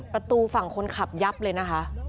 ประตูฝั่งคนขับยับเลยนะคะ